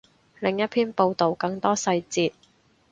另一篇报道，更多细节